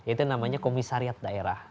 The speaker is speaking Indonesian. itu namanya komisariat daerah